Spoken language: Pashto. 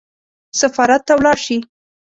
سفارت ته ولاړ شي.